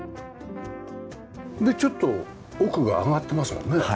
でちょっと奥が上がってますもんね。